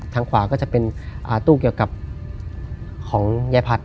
ทางขวาก็จะเป็นตู้เกี่ยวกับของยายผัด